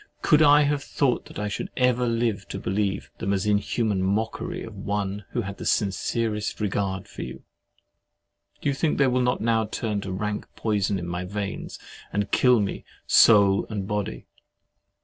Could I have thought I should ever live to believe them an inhuman mockery of one who had the sincerest regard for you? Do you think they will not now turn to rank poison in my veins, and kill me, soul and body?